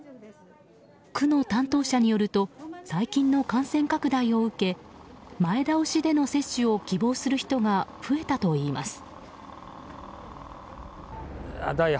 区の担当者によると最近の感染拡大を受け前倒しでの接種を希望する人が増えたといいます。